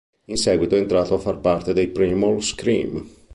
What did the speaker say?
In seguito è entrato a far parte dei Primal Scream.